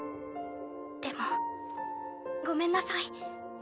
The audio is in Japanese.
でもごめんなさい。